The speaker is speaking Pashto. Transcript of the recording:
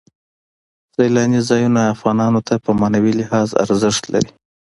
سیلاني ځایونه افغانانو ته په معنوي لحاظ ارزښت لري.